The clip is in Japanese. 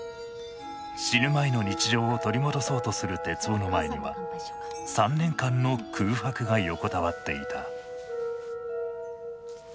死ぬ前の日常を取り戻そうとする徹生の前には３年間の空白が横たわっていた。